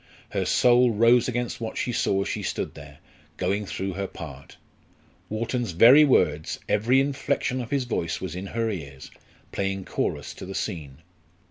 Her soul rose against what she saw as she stood there, going through her part. Wharton's very words, every inflection of his voice was in her ears, playing chorus to the scene.